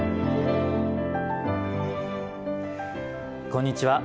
こんにちは。